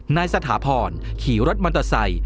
นายสถาพรขี่รถมอเตอร์ไซค์